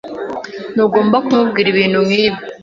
Ntugomba kumubwira ibintu nkibi.